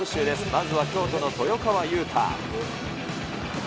まずは京都の豊川雄太。